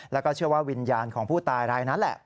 แล้วก็เชื่อว่าวิญญาณของผู้ตายรายนั้นแหละ